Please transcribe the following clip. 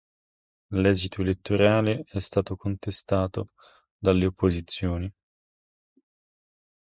L'esito elettorale è stato contestato dalle opposizioni.